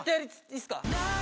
いいっすか？